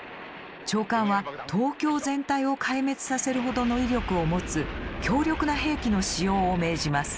長官は東京全体を壊滅させるほどの威力を持つ強力な兵器の使用を命じます。